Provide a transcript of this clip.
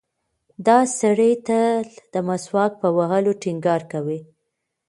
دا سړی تل د مسواک په وهلو ټینګار کوي.